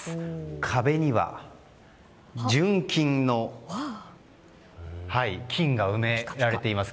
壁には純金が埋められています。